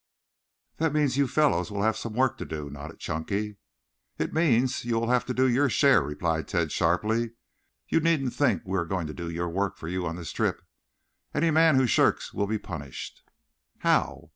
"That means you fellows will have some work to do," nodded Chunky. "It means you will have to do your share," replied Tad sharply. "You needn't think we are going to do your work for you this trip. Any man who shirks will be punished." "How?"